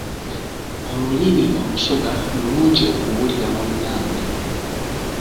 Olulimi olusoga lulungi okuwulira munnange.